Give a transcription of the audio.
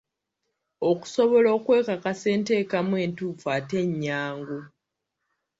Okusobola okwekakasa enteekamu entuufu ate ennyangu.